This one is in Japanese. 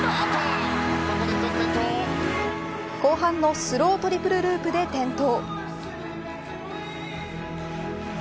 後半のスロートリプルループで転倒。